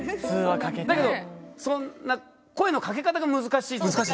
だけど声の掛け方が難しいってことか。